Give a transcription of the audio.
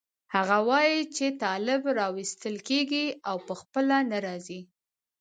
هغه وایي چې طالب راوستل کېږي او په خپله نه راځي.